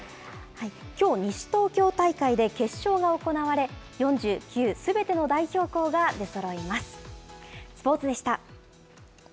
きょう西東京大会で決勝が行われ、４９すべての代表校が出そろいます。